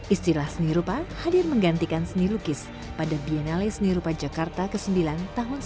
istilah seni rupa hadir menggantikan seni lukis pada biennale seni rupa jakarta ke sembilan tahun seribu sembilan ratus sembilan puluh